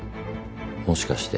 もしかして。